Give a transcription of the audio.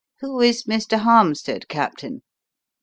Who is Mr. Harmstead, Captain?"